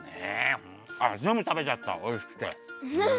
ぜんぶたべちゃったおいしくて。